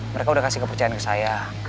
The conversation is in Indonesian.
mereka udah kasih kepercayaan ke saya